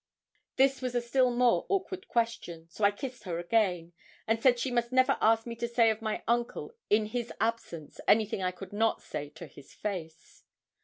This was a still more awkward question; so I kissed her again, and said she must never ask me to say of my uncle in his absence anything I could not say to his face.